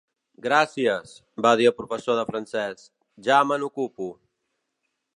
Gràcies —va dir el professor de francès—, ja me n'ocupo.